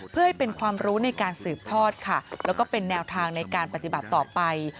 เพื่อให้เป็นความรู้ในการสืบทอดค่ะแล้วก็เป็นแนวทางในการปฏิบัติต่อไป